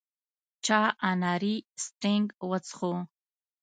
چا اناري سټینګ وڅښو.